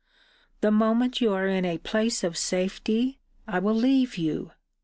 The moment you are in a place of safety, I will leave you.